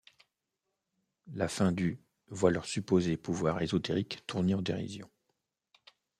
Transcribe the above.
La fin du voit leur supposés pouvoir ésotériques tournés en dérision.